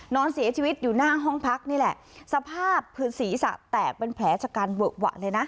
นอนเสียชีวิตอยู่หน้าห้องพักนี่แหละสภาพคือศีรษะแตกเป็นแผลจากการเวอะหวะเลยนะ